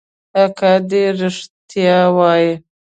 اکا دې ريښتيا وايي.